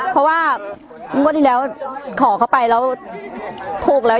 เพราะว่างวดที่แล้วขอเข้าไปแล้วถูกแล้ว